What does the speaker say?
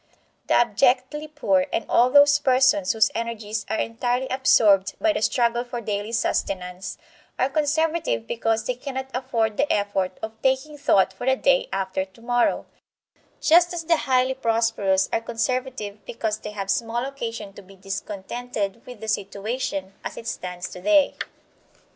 The abjectly poor, and all those persons whose energies are entirely absorbed by the struggle for daily sustenance, are conservative because they cannot afford the effort of taking thought for the day after tomorrow; just as the highly prosperous are conservative because they have small occasion to be discontented with the situation as it stands today.